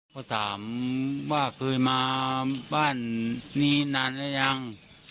ก็ถามว่าเคยมาบ้านนี้นานหรือยัง